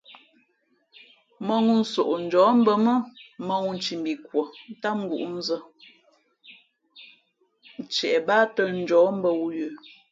Mᾱŋū soʼnjαά mbᾱ mά mᾱŋū nthimbhi kwα̌ ntám ngǔʼnzᾱ ntiep báá tά njαᾱ mbᾱ wū yə̌.